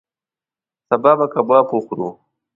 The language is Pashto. سبا به کباب وخورو